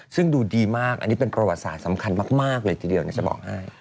ซึ่งดูดีมากอันนี้เป็นประวัติศาสตร์สำคัญมากเลยทีเดียวจะบอกให้